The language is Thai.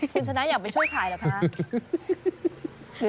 คุณชนะอยากเป็นช่วงขายเหรอคะ